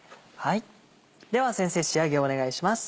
では先生仕上げお願いします。